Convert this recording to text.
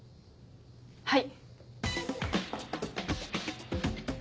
はい。